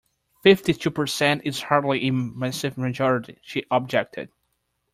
Fifty-two percent is hardly a massive majority, she objected